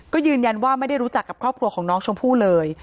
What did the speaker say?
ก็ยืนยันว่าไม่ได้รู้จักกับครอบครัวของน้องชมพู่เลย